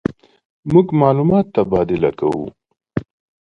مونږ معلومات تبادله کوو.